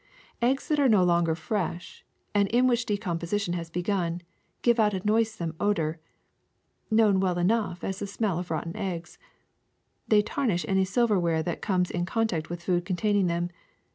<<Eggs that are no longer fresh, and in which de composition has begun, give out a noisome odor known well enough as the smell of rotten eggs. They tarnish any silverware that comes in contact with food containing them.